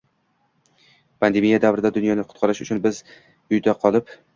pandemiya davrida dunyoni qutqarish uchun biz uyda qolib